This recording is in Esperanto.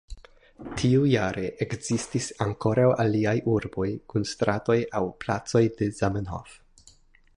Tiujare ekzistis ankoraŭ aliaj urboj kun stratoj aŭ placoj de Zamenhof.